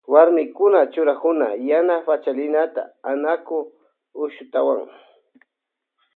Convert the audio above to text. Warmikuna churakunkuna yaa Pachalina, Anaku, Ushutawan.